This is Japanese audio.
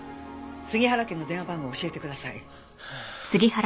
杉原家の電話番号を教えてください。